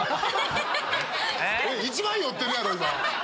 一番酔ってるやろ今。